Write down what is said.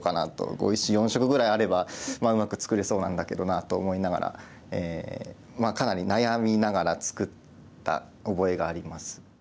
碁石４色ぐらいあればうまく作れそうなんだけどなと思いながらかなり悩みながら作った覚えがあります。